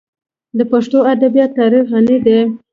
د پښتو ادبیاتو تاریخ غني دی.